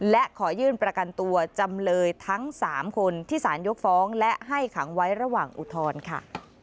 และขอยื่นประกันตัวจำเลยทั้ง๓คนที่สารยกฟ้องและให้ขังไว้ระหว่างอุทธรณ์ค่ะ